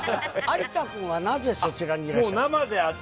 有田君はなぜそちらにいらっ